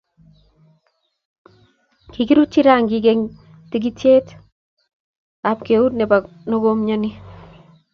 kikirutyi rangik eng tikitiet apkeut Nepo nekoimyani